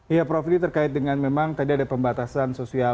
iya prof ini terkait dengan memang tadi ada pembatasan sosial